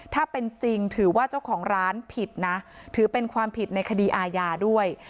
ถ้าเป็นจริงถือว่าเจ้าของร้านผิดนะถือเป็นความผิดในคดีอาญาด้วย